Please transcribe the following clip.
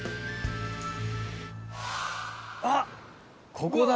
あっ、ここだ。